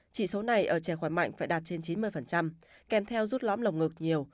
chỉ số này ở trẻ khỏi mạnh phải đạt trên chín mươi kèm theo rút lõm lồng ngược nhiều